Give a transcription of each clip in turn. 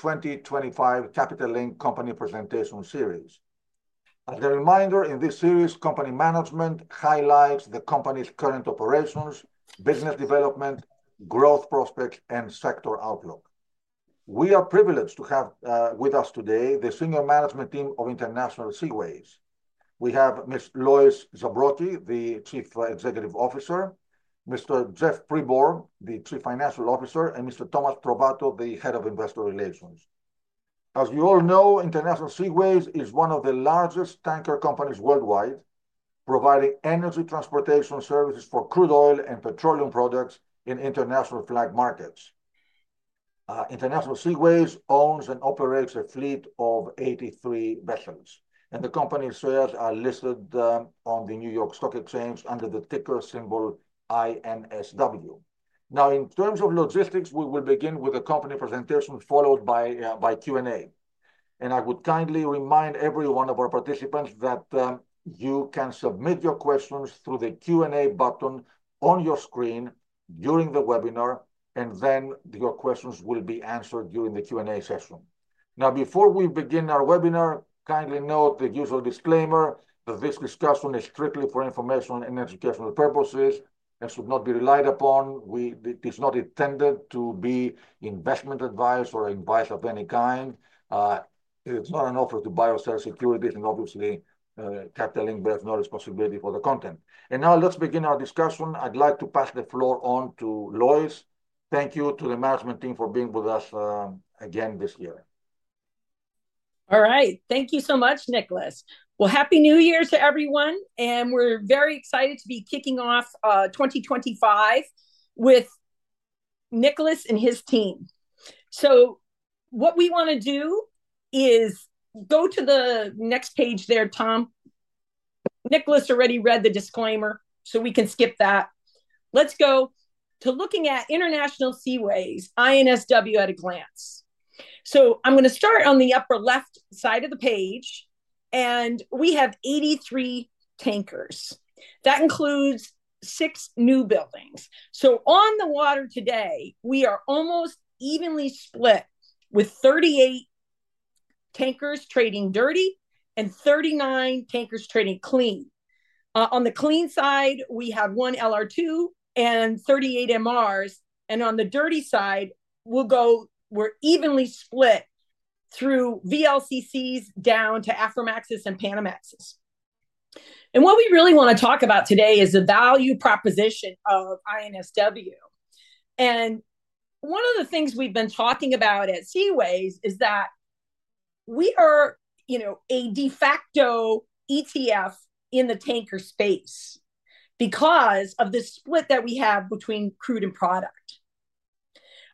2025 Capital Link Company Presentation Series. As a reminder, in this series, company management highlights the company's current operations, business development, growth prospects, and sector outlook. We are privileged to have with us today the Senior Management Team of International Seaways. We have Ms. Lois Zabrocky, the Chief Executive Officer, Mr. Jeff Pribor, the Chief Financial Officer, and Mr. Thomas Trovato, the Head of Investor Relations. As you all know, International Seaways is one of the largest tanker companies worldwide, providing energy transportation services for crude oil and petroleum products in international flag markets. International Seaways owns and operates a fleet of 83 vessels, and the company's shares are listed on the New York Stock Exchange under the ticker symbol INSW. Now, in terms of logistics, we will begin with a company presentation followed by Q&A. I would kindly remind every one of our participants that you can submit your questions through the Q&A button on your screen during the webinar, and then your questions will be answered during the Q&A session. Now, before we begin our webinar, kindly note the usual disclaimer that this discussion is strictly for informational and educational purposes and should not be relied upon. It is not intended to be investment advice or advice of any kind. It's not an offer to buy or sell securities, and obviously, Capital Link bears no responsibility for the content. And now let's begin our discussion. I'd like to pass the floor on to Lois. Thank you to the management team for being with us again this year. All right. Thank you so much, Nikolas. Happy New Year to everyone. We're very excited to be kicking off 2025 with Nikolas and his team. What we want to do is go to the next page there, Tom. Nikolas already read the disclaimer, so we can skip that. Let's go to looking at International Seaways, INSW at a glance. I'm going to start on the upper left side of the page, and we have 83 tankers. That includes six new buildings. On the water today, we are almost evenly split with 38 tankers trading dirty and 39 tankers trading clean. On the clean side, we have one LR2 and 38 MRs. On the dirty side, we'll go. We're evenly split through VLCCs down to Aframaxes and Panamaxes. What we really want to talk about today is the value proposition of INSW. One of the things we've been talking about at Seaways is that we are a de facto ETF in the tanker space because of the split that we have between crude and product.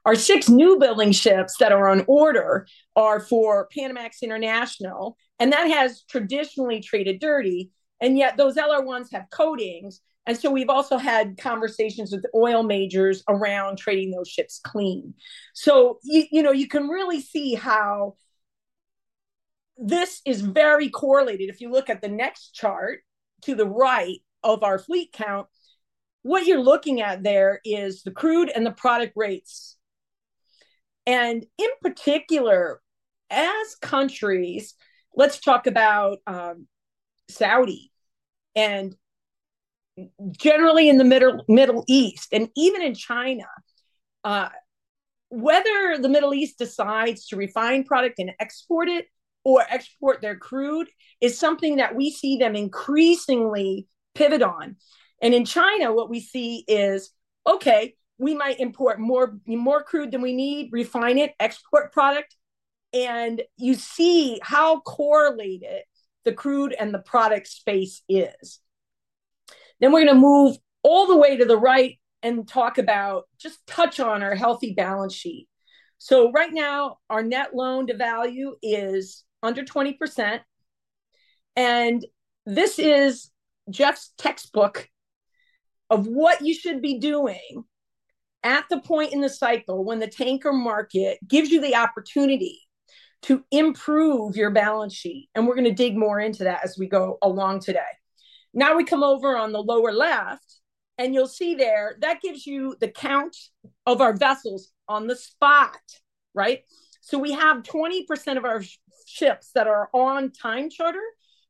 Our six newbuilding ships that are on order are for Panamax International, and that has traditionally traded dirty. And yet those LR1s have coatings. And so we've also had conversations with oil majors around trading those ships clean. So you can really see how this is very correlated. If you look at the next chart to the right of our fleet count, what you're looking at there is the crude and the product rates. And in particular, as countries, let's talk about Saudi and generally in the Middle East and even in China. Whether the Middle East decides to refine product and export it or export their crude is something that we see them increasingly pivot on, and in China, what we see is, okay, we might import more crude than we need, refine it, export product, and you see how correlated the crude and the product space is. Then we're going to move all the way to the right and talk about, just touch on our healthy balance sheet, so right now, our net loan to value is under 20%. This is Jeff's textbook of what you should be doing at the point in the cycle when the tanker market gives you the opportunity to improve your balance sheet, and we're going to dig more into that as we go along today. Now we come over on the lower left, and you'll see there that gives you the count of our vessels on the spot, right? So we have 20% of our ships that are on time charter,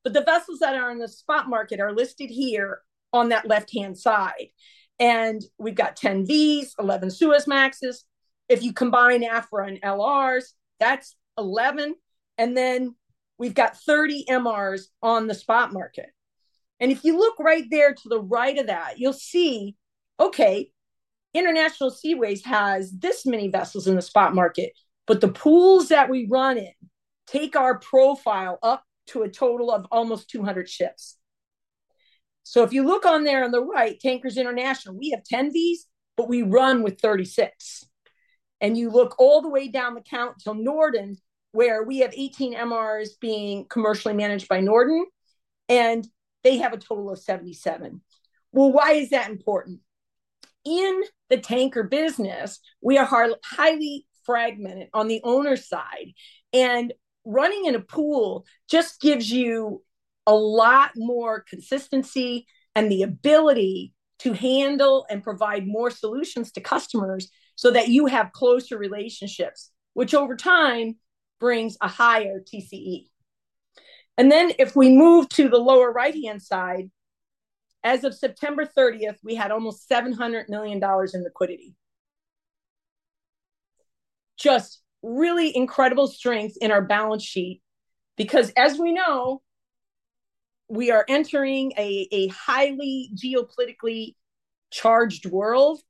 but the vessels that are in the spot market are listed here on that left-hand side. And we've got 10 Vs, 11 Suezmaxes. If you combine Afra and LRs, that's 11. And then we've got 30 MRs on the spot market. And if you look right there to the right of that, you'll see, okay, International Seaways has this many vessels in the spot market, but the pools that we run in take our profile up to a total of almost 200 ships. So if you look on there on the right, Tankers International, we have 10 Vs, but we run with 36. And you look all the way down the column to Norden, where we have 18 MRs being commercially managed by Norden, and they have a total of 77. Well, why is that important? In the tanker business, we are highly fragmented on the owner side. And running in a pool just gives you a lot more consistency and the ability to handle and provide more solutions to customers so that you have closer relationships, which over time brings a higher TCE. And then if we move to the lower right-hand side, as of September 30th, we had almost $700 million in liquidity. Just really incredible strength in our balance sheet because, as we know, we are entering a highly geopolitically charged world,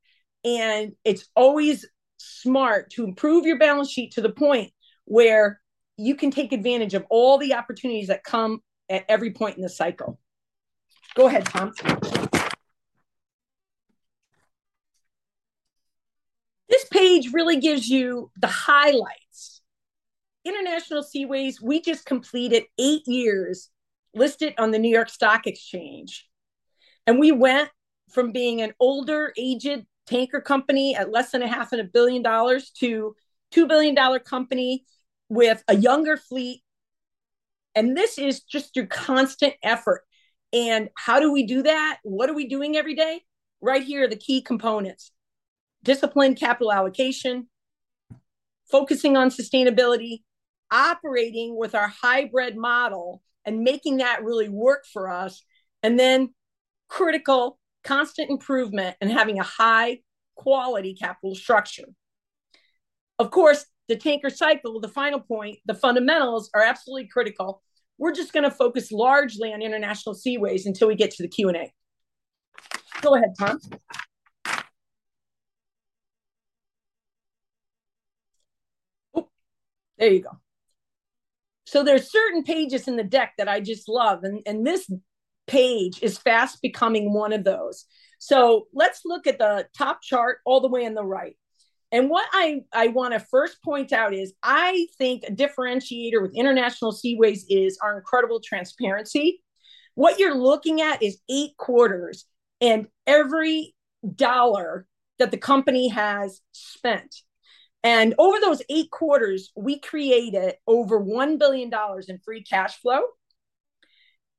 and it's always smart to improve your balance sheet to the point where you can take advantage of all the opportunities that come at every point in the cycle. Go ahead, Tom. This page really gives you the highlights. International Seaways, we just completed eight years listed on the New York Stock Exchange. And we went from being an older aged tanker company at less than $500 million to a $2 billion company with a younger fleet. And this is just your constant effort. And how do we do that? What are we doing every day? Right here are the key components: discipline, capital allocation, focusing on sustainability, operating with our hybrid model, and making that really work for us. And then, critical, constant improvement and having a high-quality capital structure. Of course, the tanker cycle, the final point, the fundamentals are absolutely critical. We're just going to focus largely on International Seaways until we get to the Q&A. Go ahead, Tom. There you go. So there are certain pages in the deck that I just love, and this page is fast becoming one of those. So let's look at the top chart all the way on the right. And what I want to first point out is I think a differentiator with International Seaways is our incredible transparency. What you're looking at is eight quarters and every dollar that the company has spent. And over those eight quarters, we created over $1 billion in free cash flow.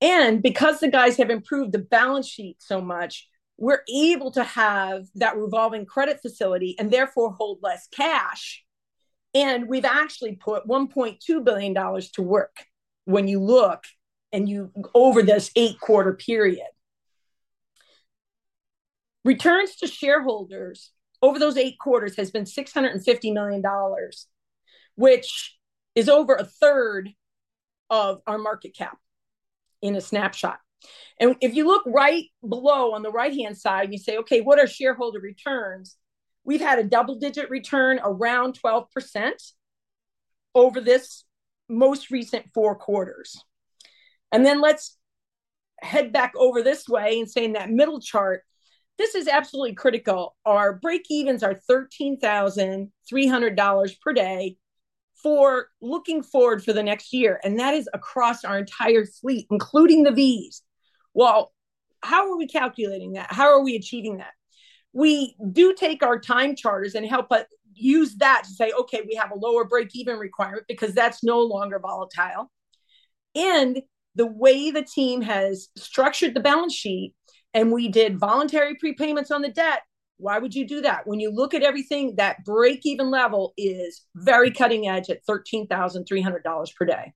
And because the guys have improved the balance sheet so much, we're able to have that revolving credit facility and therefore hold less cash. And we've actually put $1.2 billion to work when you look over this eight-quarter period. Returns to shareholders over those eight quarters have been $650 million, which is over a third of our market cap in a snapshot. And if you look right below on the right-hand side, you say, okay, what are shareholder returns? We've had a double-digit return around 12% over this most recent four quarters. And then let's head back over this way and say in that middle chart, this is absolutely critical. Our break-evens are $13,300 per day for looking forward for the next year. And that is across our entire fleet, including the Vs. Well, how are we calculating that? How are we achieving that? We do take our time charters and help use that to say, okay, we have a lower break-even requirement because that's no longer volatile. And the way the team has structured the balance sheet, and we did voluntary prepayments on the debt, why would you do that? When you look at everything, that break-even level is very cutting edge at $13,300 per day.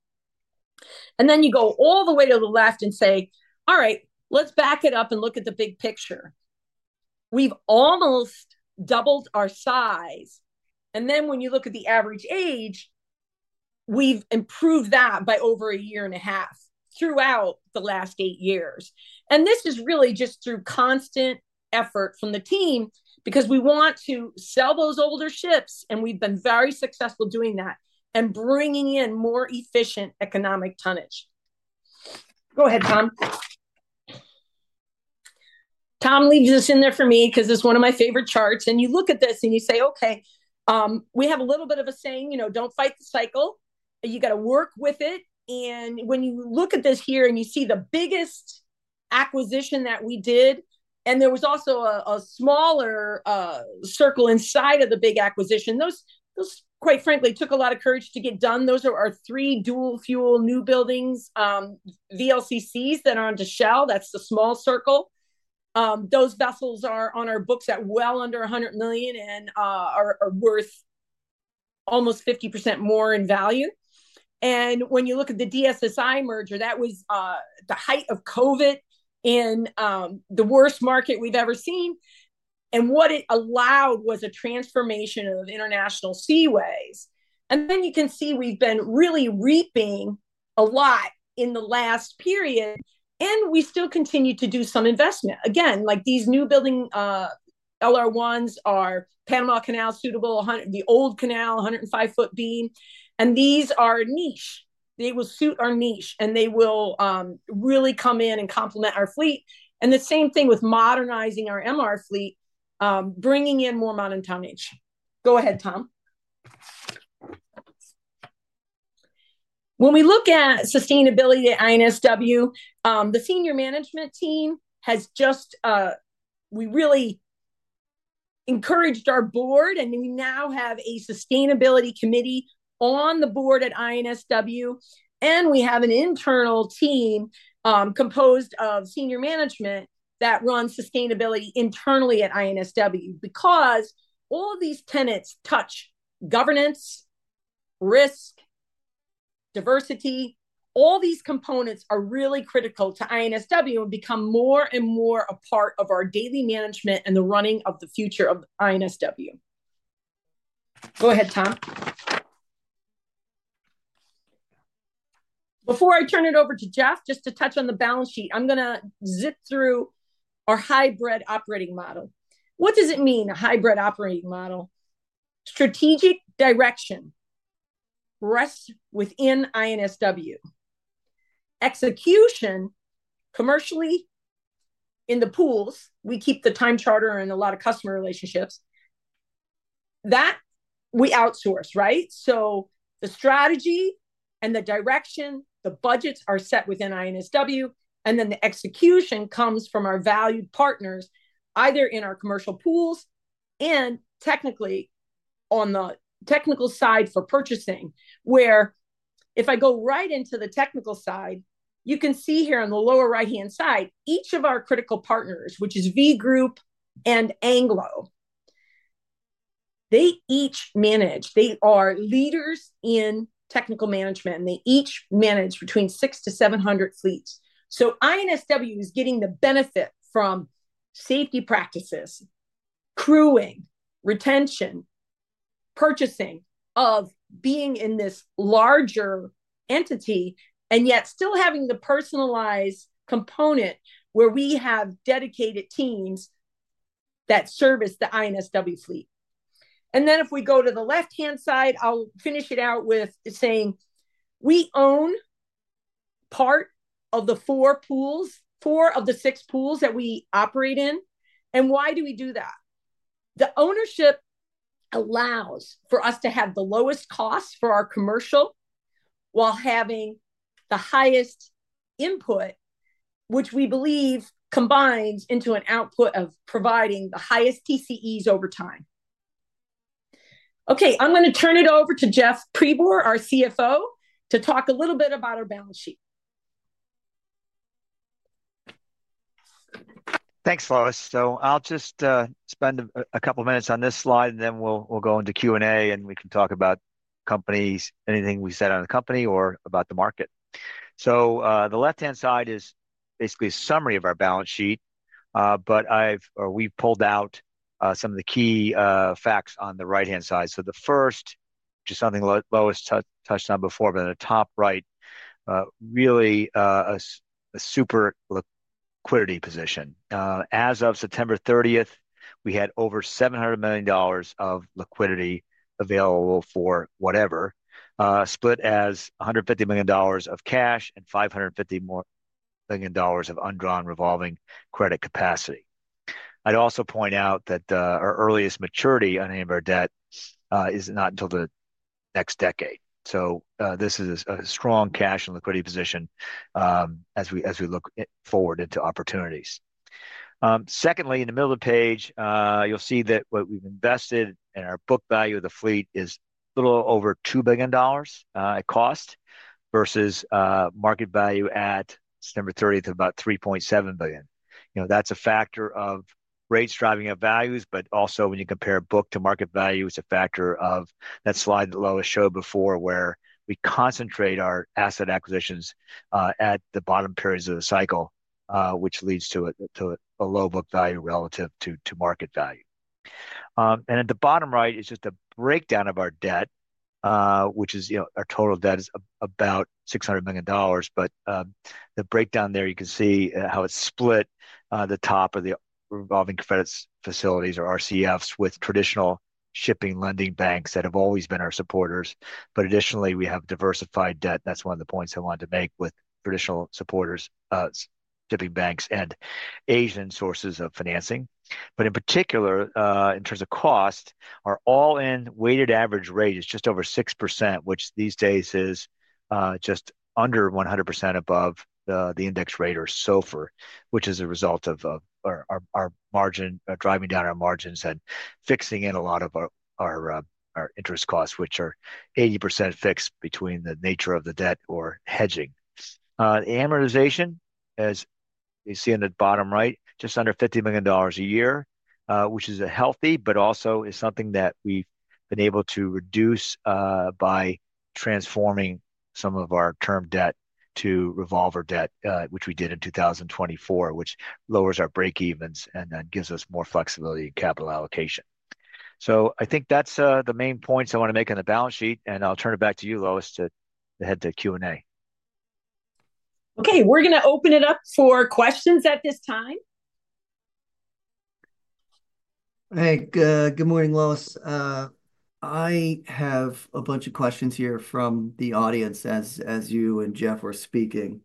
And then you go all the way to the left and say, all right, let's back it up and look at the big picture. We've almost doubled our size. And then when you look at the average age, we've improved that by over a year and a half throughout the last eight years. And this is really just through constant effort from the team because we want to sell those older ships, and we've been very successful doing that and bringing in more efficient economic tonnage. Go ahead, Tom. Tom leaves this in there for me because it's one of my favorite charts. And you look at this and you say, okay, we have a little bit of a saying, you know, don't fight the cycle. You got to work with it. And when you look at this here and you see the biggest acquisition that we did, and there was also a smaller circle inside of the big acquisition. Those, quite frankly, took a lot of courage to get done. Those are our three dual-fuel new buildings, VLCCs that are on to Shell. That's the small circle. Those vessels are on our books at well under $100 million and are worth almost 50% more in value. And when you look at the DSSI merger, that was the height of COVID in the worst market we've ever seen. What it allowed was a transformation of International Seaways. Then you can see we've been really reaping a lot in the last period, and we still continue to do some investment. Again, like these new building LR1s are Panama Canal suitable, the old canal, 105-foot beam. These are niche. They will suit our niche, and they will really come in and complement our fleet. The same thing with modernizing our MR fleet, bringing in more modern tonnage. Go ahead, Tom. When we look at sustainability at INSW, the senior management team has just we really encouraged our board, and we now have a sustainability committee on the board at INSW. We have an internal team composed of senior management that runs sustainability internally at INSW because all of these tenets touch governance, risk, diversity. All these components are really critical to INSW and become more and more a part of our daily management and the running of the future of INSW. Go ahead, Tom. Before I turn it over to Jeff, just to touch on the balance sheet, I'm going to zip through our hybrid operating model. What does it mean, a hybrid operating model? Strategic direction rests within INSW. Execution commercially in the pools, we keep the time charter and a lot of customer relationships. That we outsource, right? The strategy and the direction, the budgets are set within INSW, and then the execution comes from our valued partners, either in our commercial pools and technically on the technical side for purchasing, where if I go right into the technical side, you can see here on the lower right-hand side, each of our critical partners, which is V Group and Anglo. They each manage. They are leaders in technical management, and they each manage between 600-700 fleets, so INSW is getting the benefit from safety practices, crewing, retention, purchasing of being in this larger entity, and yet still having the personalized component where we have dedicated teams that service the INSW fleet, and then if we go to the left-hand side, I'll finish it out with saying we own part of the four pools, four of the six pools that we operate in. And why do we do that? The ownership allows for us to have the lowest cost for our commercial while having the highest input, which we believe combines into an output of providing the highest TCEs over time. Okay, I'm going to turn it over to Jeff Pribor, our CFO, to talk a little bit about our balance sheet. Thanks, Lois. So I'll just spend a couple of minutes on this slide, and then we'll go into Q&A, and we can talk about commentary, anything we said on the company or about the market. So the left-hand side is basically a summary of our balance sheet, but we've pulled out some of the key facts on the right-hand side. So the first, just something Lois touched on before, but in the top right, really a super liquidity position. As of September 30th, we had over $700 million of liquidity available for whatever, split as $150 million of cash and $550 million of undrawn revolving credit capacity. I'd also point out that our earliest maturity on any of our debt is not until the next decade. So this is a strong cash and liquidity position as we look forward into opportunities. Secondly, in the middle of the page, you'll see that what we've invested in our book value of the fleet is a little over $2 billion at cost versus market value at September 30th of about $3.7 billion. That's a factor of rates driving up values, but also when you compare book to market value, it's a factor of that slide that Lois showed before where we concentrate our asset acquisitions at the bottom periods of the cycle, which leads to a low book value relative to market value, and at the bottom right is just a breakdown of our debt, which is our total debt is about $600 million. But the breakdown there, you can see how it's split the top of the revolving credit facilities or RCFs with traditional shipping lending banks that have always been our supporters, but additionally, we have diversified debt. That's one of the points I wanted to make with traditional supporters, shipping banks, and Asian sources of financing. In particular, in terms of cost, our all-in weighted average rate is just over 6%, which these days is just under 100% above the index rate or SOFR, which is a result of our margin, driving down our margins and fixing in a lot of our interest costs, which are 80% fixed between the nature of the debt or hedging. The amortization, as you see in the bottom right, just under $50 million a year, which is healthy, but also is something that we've been able to reduce by transforming some of our term debt to revolver debt, which we did in 2024, which lowers our break-evens and then gives us more flexibility in capital allocation. I think that's the main points I want to make on the balance sheet, and I'll turn it back to you, Lois, to head to Q&A. Okay, we're going to open it up for questions at this time. Hey, good morning, Lois. I have a bunch of questions here from the audience as you and Jeff were speaking,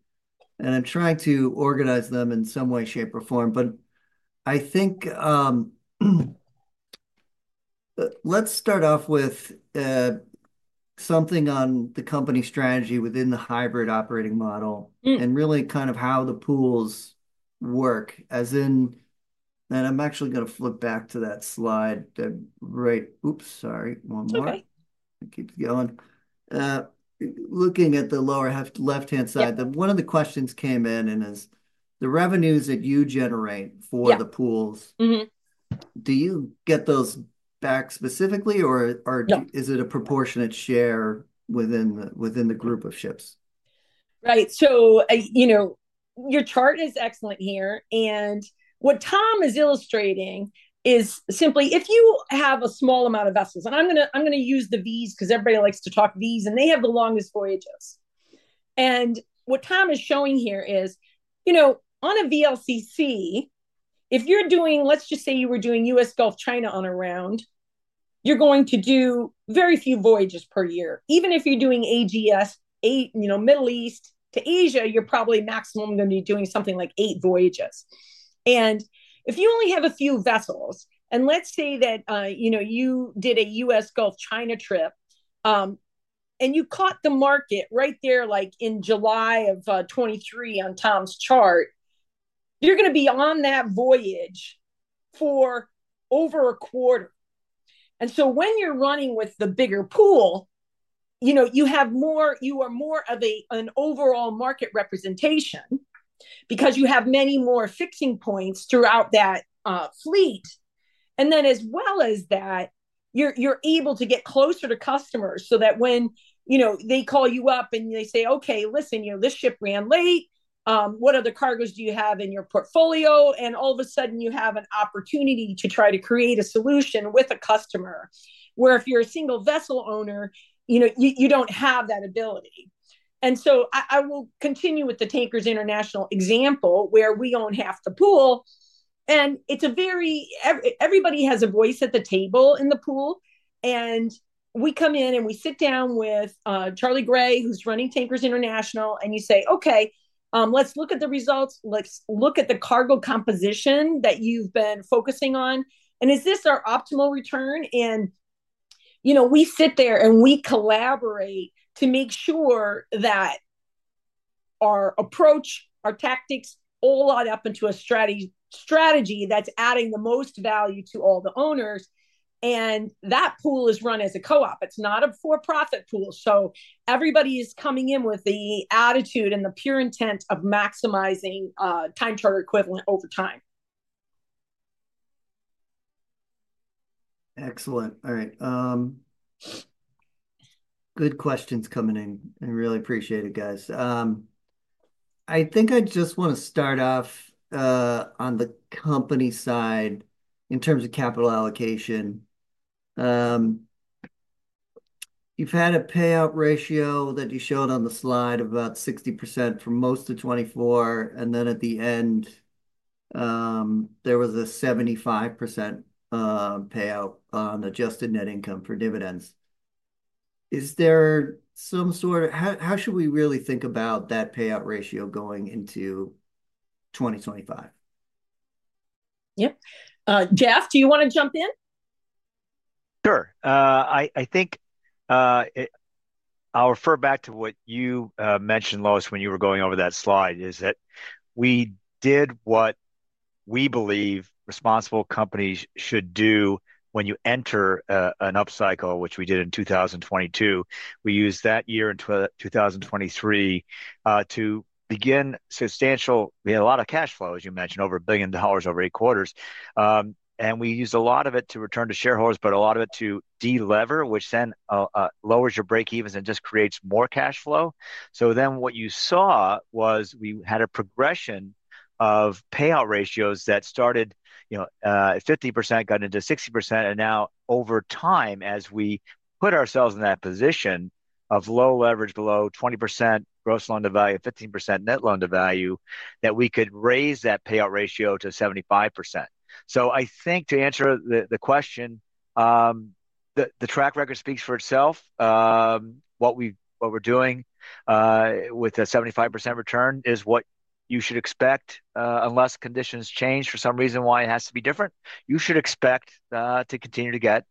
and I'm trying to organize them in some way, shape, or form, but I think let's start off with something on the company strategy within the hybrid operating model and really kind of how the pools work. And I'm actually going to flip back to that slide. Oops, sorry, one more. That's okay. Keeps going. Looking at the lower left-hand side, one of the questions came in, and it's the revenues that you generate for the pools. Do you get those back specifically, or is it a proportionate share within the group of ships? Right. So your chart is excellent here. And what Tom is illustrating is simply if you have a small amount of vessels, and I'm going to use the Vs because everybody likes to talk Vs, and they have the longest voyages. And what Tom is showing here is on a VLCC, if you're doing, let's just say you were doing U.S. Gulf, China on a round, you're going to do very few voyages per year. Even if you're doing AG, Middle East to Asia, you're probably maximum going to be doing something like eight voyages. And if you only have a few vessels, and let's say that you did a U.S. Gulf, China trip, and you caught the market right there in July of 2023 on Tom's chart, you're going to be on that voyage for over a quarter. And so when you're running with the bigger pool, you are more of an overall market representation because you have many more fixing points throughout that fleet. And then as well as that, you're able to get closer to customers so that when they call you up and they say, "Okay, listen, this ship ran late. What other cargoes do you have in your portfolio?" And all of a sudden, you have an opportunity to try to create a solution with a customer where if you're a single vessel owner, you don't have that ability. And so I will continue with the Tankers International example where we own half the pool. And everybody has a voice at the table in the pool. And we come in and we sit down with Charlie Gray, who's running Tankers International, and you say, "Okay, let's look at the results. Let's look at the cargo composition that you've been focusing on. And is this our optimal return?" And we sit there and we collaborate to make sure that our approach, our tactics, all add up into a strategy that's adding the most value to all the owners. And that pool is run as a co-op. It's not a for-profit pool. So everybody is coming in with the attitude and the pure intent of maximizing time charter equivalent over time. Excellent. All right. Good questions coming in. I really appreciate it, guys. I think I just want to start off on the company side in terms of capital allocation. You've had a payout ratio that you showed on the slide of about 60% for most of 2024, and then at the end, there was a 75% payout on adjusted net income for dividends. Is there some sort of how should we really think about that payout ratio going into 2025? Yep. Jeff, do you want to jump in? Sure. I think I'll refer back to what you mentioned, Lois, when you were going over that slide: is that we did what we believe responsible companies should do when you enter an upcycle, which we did in 2022. We used that year in 2023 to begin substantial. We had a lot of cash flow, as you mentioned, over $1 billion over eight quarters. And we used a lot of it to return to shareholders, but a lot of it to de-lever, which then lowers your break-evens and just creates more cash flow. So then what you saw was we had a progression of payout ratios that started at 50%, got into 60%, and now over time, as we put ourselves in that position of low leverage, below 20% gross loan to value, 15% net loan to value, that we could raise that payout ratio to 75%. So I think to answer the question, the track record speaks for itself. What we're doing with a 75% return is what you should expect unless conditions change for some reason why it has to be different. You should expect to continue to get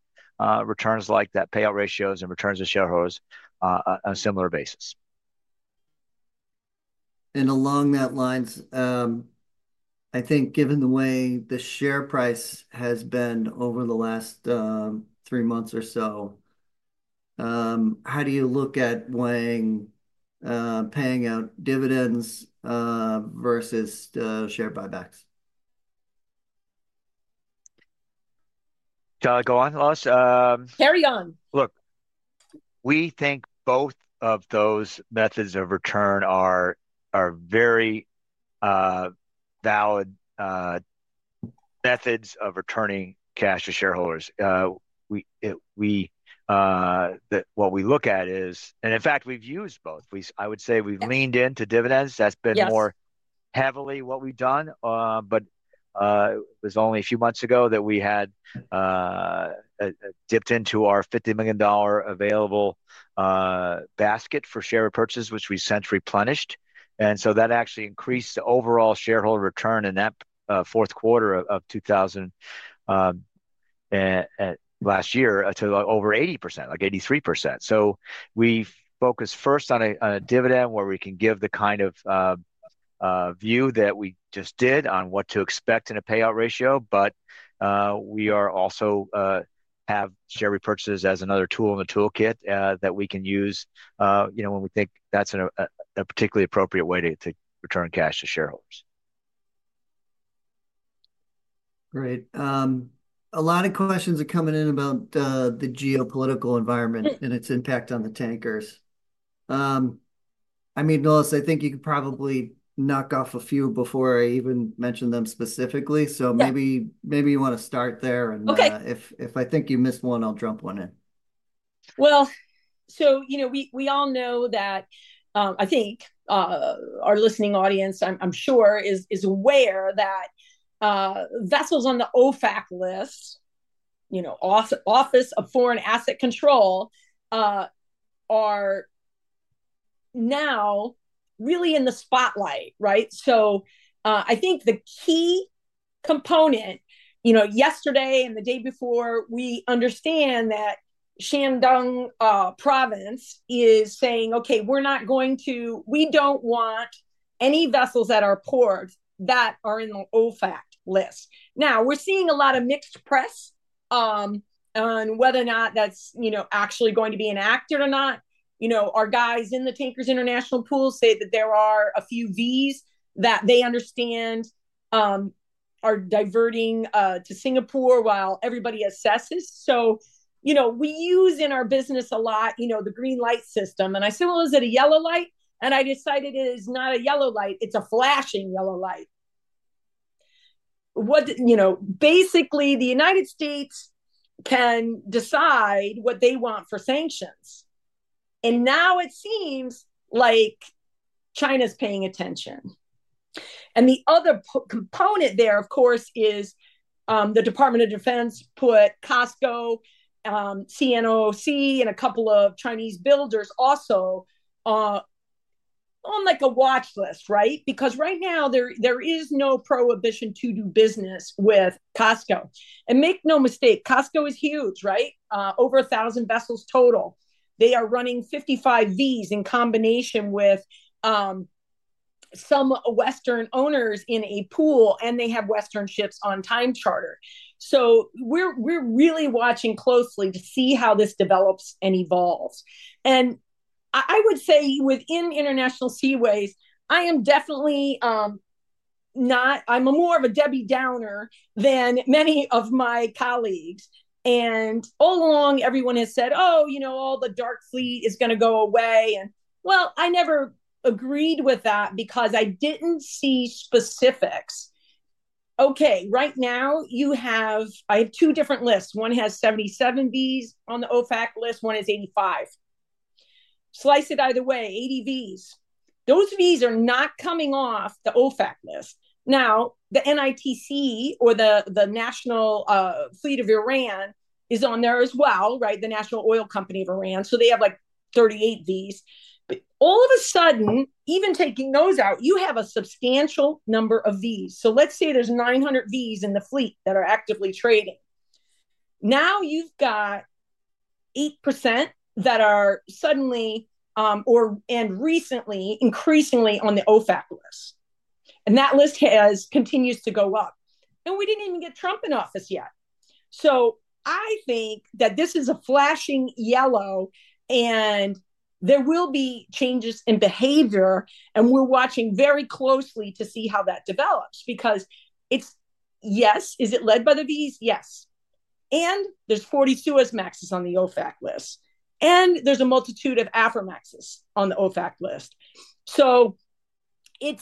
returns like that, payout ratios and returns to shareholders on a similar basis. Along those lines, I think given the way the share price has been over the last three months or so, how do you look at paying out dividends versus share buybacks? Can I go on, Lois? Carry on. Look, we think both of those methods of return are very valid methods of returning cash to shareholders. What we look at is, and in fact, we've used both. I would say we've leaned into dividends. That's been more heavily what we've done. But it was only a few months ago that we had dipped into our $50 million available basket for share purchases, which we've since replenished. And so that actually increased the overall shareholder return in that fourth quarter of 2023 last year to over 80%, like 83%. So we focus first on a dividend where we can give the kind of view that we just did on what to expect in a payout ratio, but we also have share repurchases as another tool in the toolkit that we can use when we think that's a particularly appropriate way to return cash to shareholders. Great. A lot of questions are coming in about the geopolitical environment and its impact on the tankers. I mean, Lois, I think you can probably knock off a few before I even mention them specifically. So maybe you want to start there. And if I think you missed one, I'll jump one in. So we all know that I think our listening audience, I'm sure, is aware that vessels on the OFAC list, Office of Foreign Assets Control, are now really in the spotlight, right? So I think the key component yesterday and the day before, we understand that Shandong Province is saying, "Okay, we're not going to, we don't want any vessels that are prohibited that are in the OFAC list." Now, we're seeing a lot of mixed press on whether or not that's actually going to be enacted or not. Our guys in the Tankers International pool say that there are a few Vs that they understand are diverting to Singapore while everybody assesses. So we use in our business a lot the green light system. And I said, "Well, is it a yellow light?" And I decided it is not a yellow light. It's a flashing yellow light. Basically, the United States can decide what they want for sanctions. And now it seems like China's paying attention. And the other component there, of course, is the Department of Defense put COSCO, CNOOC, and a couple of Chinese builders also on a watch list, right? Because right now, there is no prohibition to do business with COSCO. And make no mistake, COSCO is huge, right? Over 1,000 vessels total. They are running 55 Vs in combination with some Western owners in a pool, and they have Western ships on time charter. So we're really watching closely to see how this develops and evolves. And I would say within International Seaways, I am definitely not. I'm more of a Debbie Downer than many of my colleagues. All along, everyone has said, "Oh, you know all the dark fleet is going to go away." Well, I never agreed with that because I didn't see specifics. Okay, right now, I have two different lists. One has 77 Vs on the OFAC list. One is 85. Slice it either way, 80 Vs. Those Vs are not coming off the OFAC list. Now, the NITC, or the National Iranian Tanker Company, is on there as well, right? The National Oil Company of Iran. So they have like 38 Vs. But all of a sudden, even taking those out, you have a substantial number of Vs. So let's say there's 900 Vs in the fleet that are actively trading. Now you've got 8% that are suddenly and recently increasingly on the OFAC list. And that list continues to go up. And we didn't even get Trump in office yet. I think that this is a flashing yellow, and there will be changes in behavior. We're watching very closely to see how that develops because it's, yes, is it led by the Vs? Yes. There's 42 Suezmaxes on the OFAC list. There's a multitude of Aframaxes on the OFAC list. I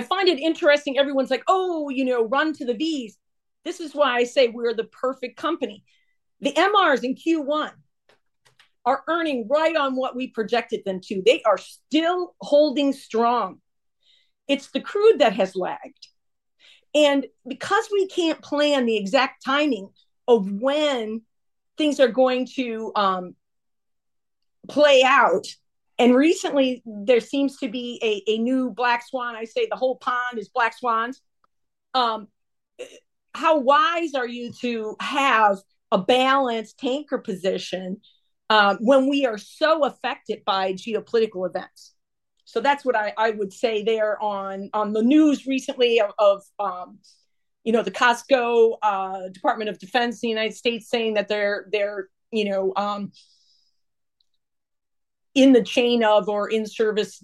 find it interesting. Everyone's like, "Oh, you know run to the Vs." This is why I say we're the perfect company. The MRs in Q1 are earning right on what we projected them to. They are still holding strong. It's the crude that has lagged. Because we can't plan the exact timing of when things are going to play out, and recently, there seems to be a new black swan. I say the whole pond is black swans. How wise are you to have a balanced tanker position when we are so affected by geopolitical events? So that's what I would say there on the news recently of the COSCO Department of Defense in the United States saying that they're in the chain of or in service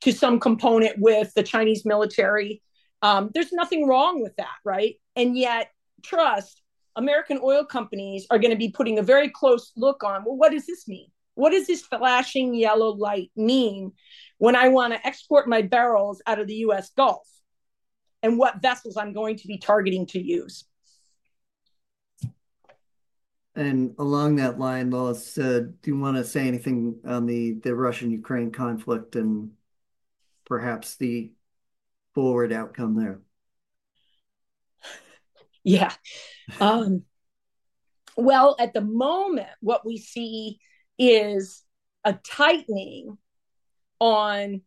to some component with the Chinese military. There's nothing wrong with that, right? And yet, trust, American oil companies are going to be putting a very close look on, "Well, what does this mean? What does this flashing yellow light mean when I want to export my barrels out of the U.S. Gulf and what vessels I'm going to be targeting to use? And along that line, Lois, do you want to say anything on the Russia-Ukraine conflict and perhaps the forward outcome there? Yeah. Well, at the moment, what we see is a tightening on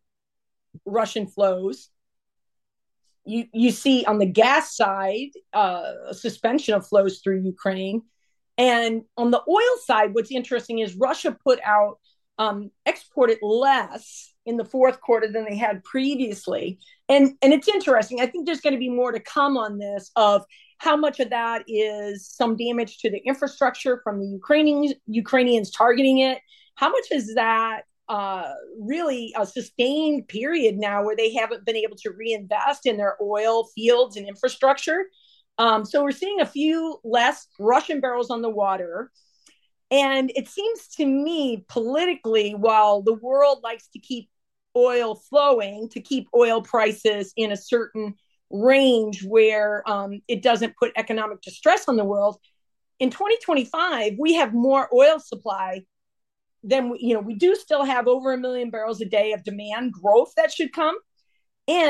Russian flows. You see on the gas side, suspension of flows through Ukraine. And on the oil side, what's interesting is Russia exported less in the fourth quarter than they had previously. And it's interesting. I think there's going to be more to come on this of how much of that is some damage to the infrastructure from the Ukrainians targeting it. How much is that really a sustained period now where they haven't been able to reinvest in their oil fields and infrastructure? So we're seeing a few less Russian barrels on the water. It seems to me, politically, while the world likes to keep oil flowing to keep oil prices in a certain range where it doesn't put economic distress on the world, in 2025, we have more oil supply than we do still have over a million barrels a day of demand growth that should come.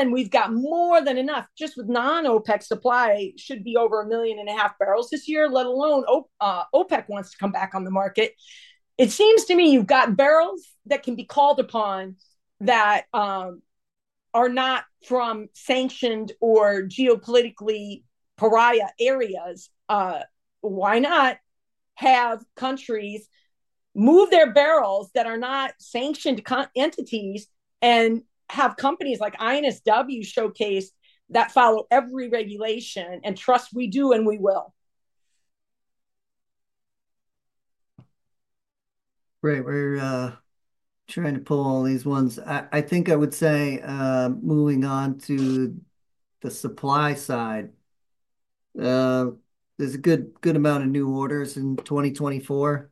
We've got more than enough. Just with non-OPEC supply, it should be over a million and a half barrels this year, let alone OPEC wants to come back on the market. It seems to me you've got barrels that can be called upon that are not from sanctioned or geopolitically pariah areas. Why not have countries move their barrels that are not sanctioned entities and have companies like INSW showcased that follow every regulation and trust we do and we will? Great. We're trying to pull all these ones. I think I would say moving on to the supply side, there's a good amount of new orders in 2024.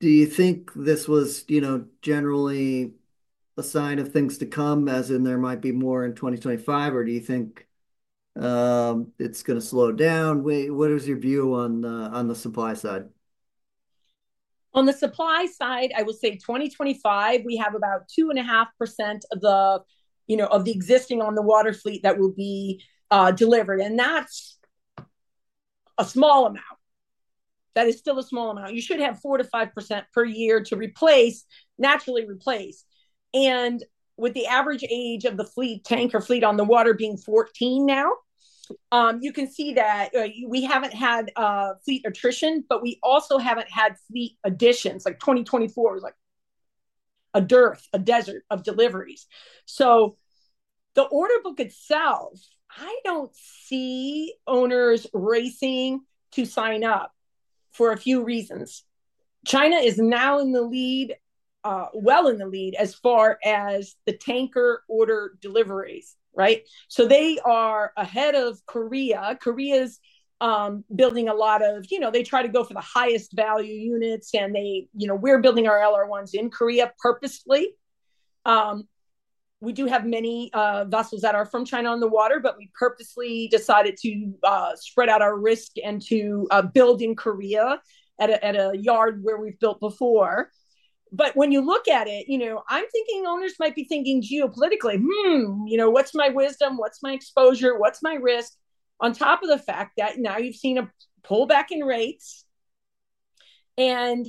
Do you think this was generally a sign of things to come, as in there might be more in 2025, or do you think it's going to slow down? What is your view on the supply side? On the supply side, I will say 2025, we have about 2.5% of the existing on the water fleet that will be delivered. And that's a small amount. That is still a small amount. You should have 4%-5% per year to naturally replace. And with the average age of the fleet, tanker fleet on the water being 14 now, you can see that we haven't had fleet attrition, but we also haven't had fleet additions. Like 2024 was like a dearth, a desert of deliveries. So the order book itself, I don't see owners racing to sign up for a few reasons. China is now in the lead, well in the lead as far as the tanker order deliveries, right? So they are ahead of Korea. Korea's building a lot of, you know, they try to go for the highest value units, and we're building our LR1s in Korea purposefully. We do have many vessels that are from China on the water, but we purposely decided to spread out our risk and to build in Korea at a yard where we've built before, but when you look at it, you know, I'm thinking owners might be thinking geopolitically, you know, what's my wisdom? What's my exposure? What's my risk? On top of the fact that now you've seen a pullback in rates, and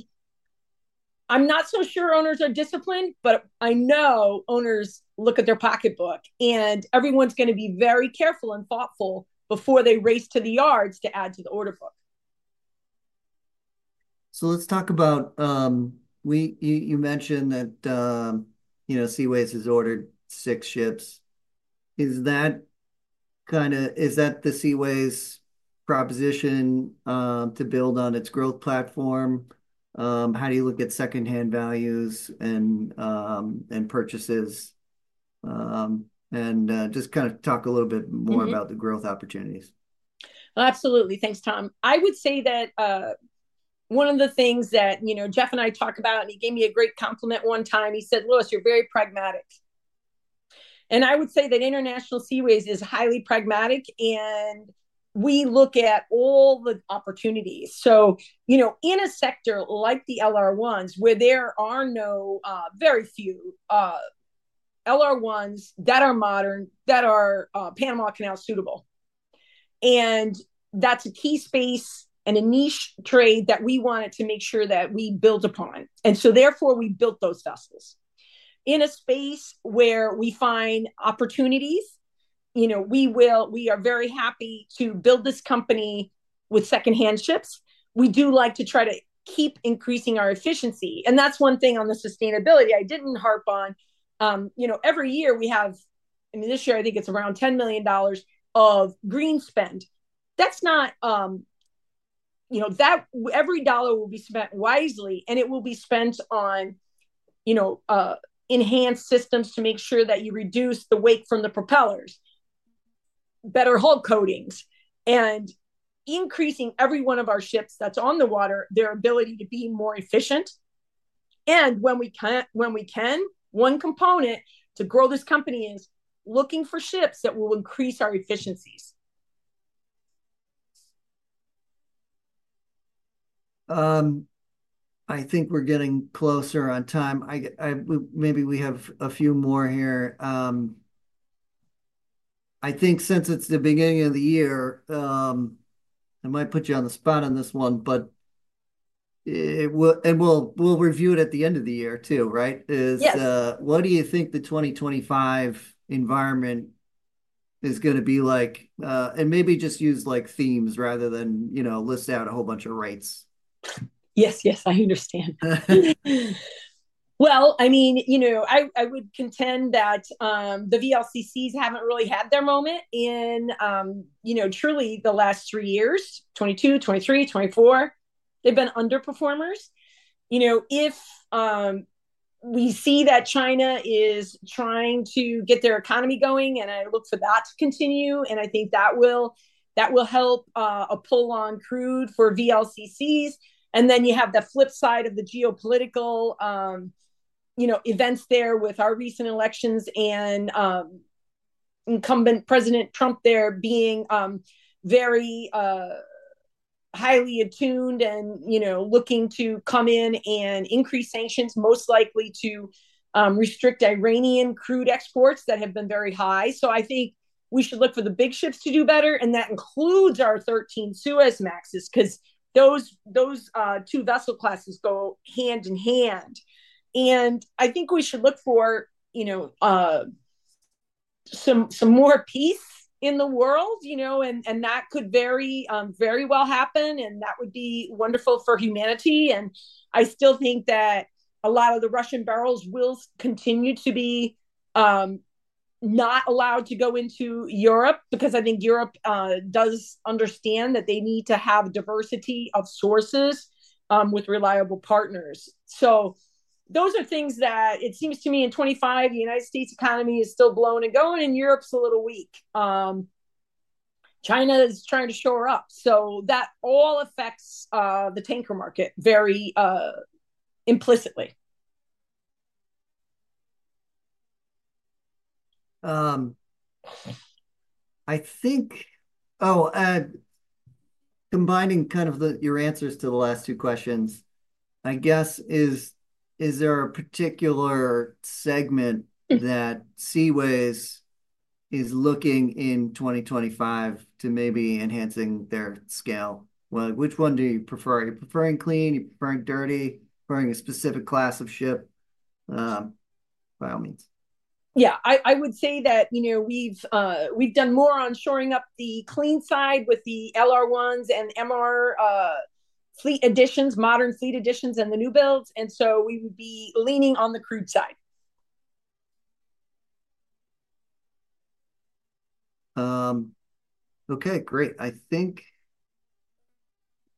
I'm not so sure owners are disciplined, but I know owners look at their pocketbook, and everyone's going to be very careful and thoughtful before they race to the yards to add to the order book. So let's talk about you mentioned that Seaways has ordered six ships. Is that kind of the Seaways proposition to build on its growth platform? How do you look at secondhand values and purchases? And just kind of talk a little bit more about the growth opportunities. Absolutely. Thanks, Tom. I would say that one of the things that Jeff and I talked about, and he gave me a great compliment one time, he said, "Lois, you're very pragmatic," and I would say that International Seaways is highly pragmatic, and we look at all the opportunities, so in a sector like the LR1s, where there are very few LR1s that are modern, that are Panama Canal suitable, and that's a key space and a niche trade that we wanted to make sure that we build upon, and so therefore, we built those vessels. In a space where we find opportunities, we are very happy to build this company with secondhand ships. We do like to try to keep increasing our efficiency, and that's one thing on the sustainability I didn't harp on. Every year we have, I mean, this year, I think it's around $10 million of green spend. That's not every dollar will be spent wisely, and it will be spent on enhanced systems to make sure that you reduce the weight from the propellers, better hull coatings, and increasing every one of our ships that's on the water, their ability to be more efficient, and when we can, one component to grow this company is looking for ships that will increase our efficiencies. I think we're getting closer on time. Maybe we have a few more here. I think since it's the beginning of the year, I might put you on the spot on this one, but we'll review it at the end of the year too, right? Yes. What do you think the 2025 environment is going to be like? And maybe just use themes rather than list out a whole bunch of rates. Yes, yes, I understand. Well, I mean, I would contend that the VLCCs haven't really had their moment in truly the last three years, 2022, 2023, 2024. They've been underperformers. If we see that China is trying to get their economy going, and I look for that to continue, and I think that will help a pull on crude for VLCCs. And then you have the flip side of the geopolitical events there with our recent elections and incumbent President Trump there being very highly attuned and looking to come in and increase sanctions, most likely to restrict Iranian crude exports that have been very high. So I think we should look for the big ships to do better, and that includes our 13 Suezmaxes because those two vessel classes go hand in hand. I think we should look for some more peace in the world, and that could very well happen, and that would be wonderful for humanity. I still think that a lot of the Russian barrels will continue to be not allowed to go into Europe because I think Europe does understand that they need to have diversity of sources with reliable partners. Those are things that it seems to me in 2025, the United States economy is still blowing and going, and Europe's a little weak. China is trying to shore up. That all affects the tanker market very implicitly. I think, oh, combining kind of your answers to the last two questions, I guess, is there a particular segment that Seaways is looking in 2025 to maybe enhancing their scale? Which one do you prefer? Are you preferring clean? Are you preferring dirty? Preferring a specific class of ship by all means? Yeah, I would say that we've done more on shoring up the clean side with the LR1s and MR fleet additions, modern fleet additions, and the new builds, and so we would be leaning on the crude side. Okay, great. I think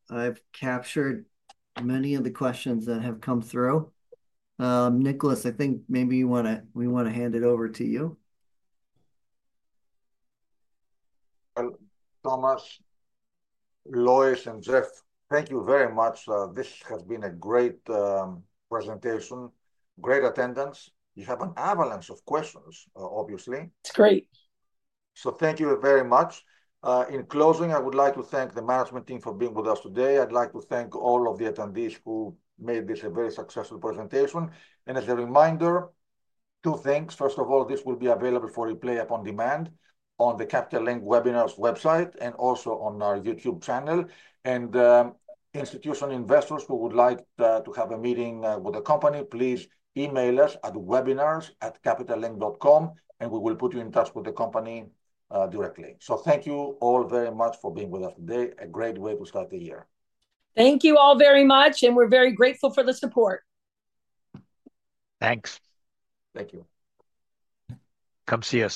I've captured many of the questions that have come through. Nikolas, I think maybe we want to hand it over to you. Thomas, Lois, and Jeff, thank you very much. This has been a great presentation, great attendance. You have an avalanche of questions, obviously. It's great. Thank you very much. In closing, I would like to thank the management team for being with us today. I'd like to thank all of the attendees who made this a very successful presentation. As a reminder, two things. First of all, this will be available for replay upon demand on the Capital Link webinars website and also on our YouTube channel. Institutional investors who would like to have a meeting with the company, please email us at webinars@capitallink.com, and we will put you in touch with the company directly. Thank you all very much for being with us today. A great way to start the year. Thank you all very much, and we're very grateful for the support. Thanks. Thank you. Come see us.